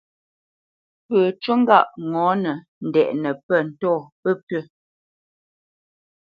Pə́ ncú ŋgâʼ ŋɔ̌nə ndɛʼnə́ pə̂ ntɔ̂ pəpʉ̂.